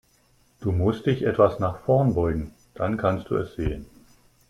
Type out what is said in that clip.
Du musst dich etwas nach vorn beugen, dann kannst du es sehen.